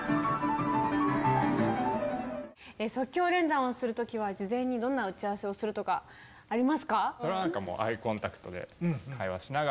即興連弾をする時は事前にどんな打ち合わせをするとかありますか？